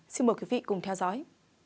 xin mời quý vị cùng theo dõi